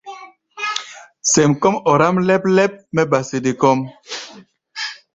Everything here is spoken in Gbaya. Sɛm kɔ́ʼm ɔráʼm lɛp-lɛp mɛ́ ba sede kɔ́ʼm.